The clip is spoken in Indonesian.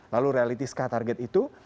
lalu realitis kah target itu